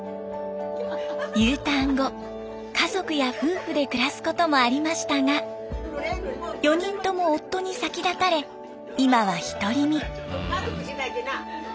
Ｕターン後家族や夫婦で暮らすこともありましたが４人とも夫に先立たれ今は独り身。